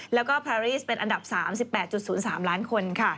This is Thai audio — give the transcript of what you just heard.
แล้วก็ไพรีต์เป็น๑๘๐๓ล้านคน